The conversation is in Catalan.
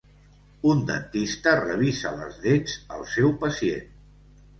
Un dentista revisa les dents al seu pacient